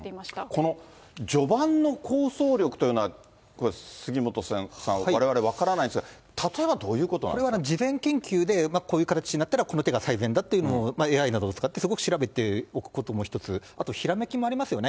この序盤の構想力というのはこれ、杉本さん、われわれ分からないんですが、これはね、事前研究でこういう形になったら、この手が最善だっていうのを、ＡＩなどを使って、すごく調べておくことも一つ、あとひらめきもありますよね。